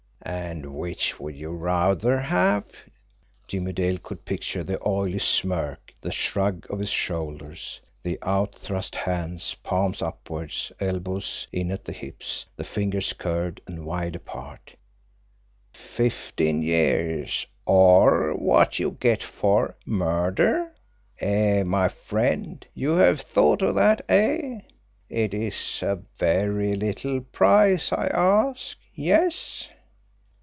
"And which would you rather have?" Jimmie Dale could picture the oily smirk, the shrug of his shoulders, the outthrust hands, palms upward, elbows in at the hips, the fingers curved and wide apart "fifteen years, or what you get for murder? Eh, my friend, you have thought of that eh? It is a very little price I ask yes?"